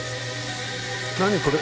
何これ？